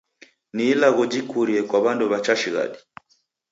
Ni ilagho jikurie kwa w'andu w'a cha shighadi.